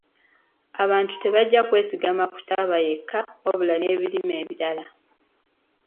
Abantu tebajja kwesigama ku taaba yekka wabula ne ku birime ebirala.